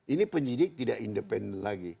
ini penyidik tidak independen lagi